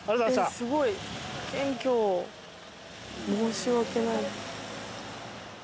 すごい謙虚申し訳ない。